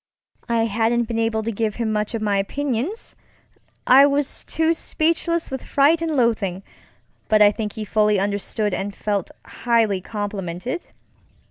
I hadn't been able to give him much of my opinionsŌĆöI was too speechless with fright and loathingŌĆöbut I think he fully understood and felt highly complimented.